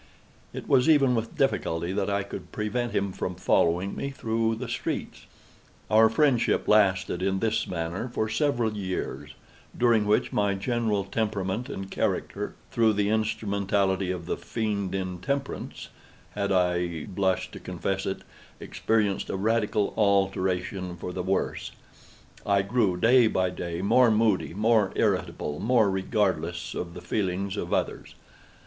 It was even with difficulty that I could prevent him from following me through the streets. Our friendship lasted, in this manner, for several years, during which my general temperament and character—through the instrumentality of the Fiend Intemperance—had (I blush to confess it) experienced a radical alteration for the worse. I grew, day by day, more moody, more irritable, more regardless of the feelings of others.